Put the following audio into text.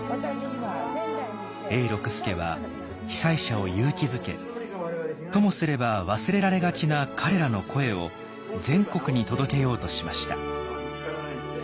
永六輔は被災者を勇気づけともすれば忘れられがちな彼らの声を全国に届けようとしました。